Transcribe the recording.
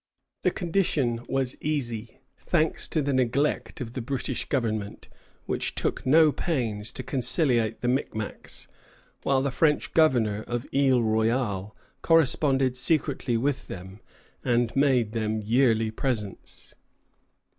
The condition was easy, thanks to the neglect of the British government, which took no pains to conciliate the Micmacs, while the French governor of Isle Royale corresponded secretly with them and made them yearly presents.